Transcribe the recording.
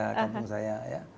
kalau dulu ke lampung saya